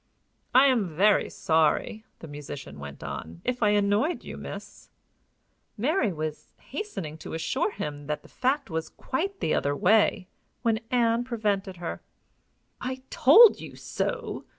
"I am very sorry," the musician went on, "if I annoyed you, miss." Mary was hastening to assure him that the fact was quite the other way, when Ann prevented her. "I told you so!"